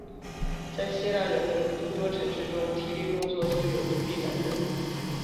在希腊人的诸多城市中体力工作都由奴隶担任。